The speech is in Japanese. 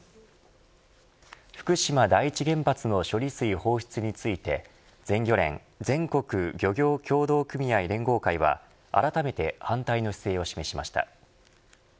福島第一原発の処理水放出について全漁連全国漁業協同組合連合会はあらためて反対の姿勢を示しました。